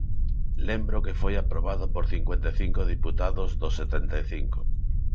Lembro que foi aprobado por cincuenta e cinco deputados dos setenta e cinco.